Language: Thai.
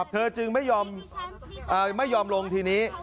จึงไม่ยอมลงทีนี้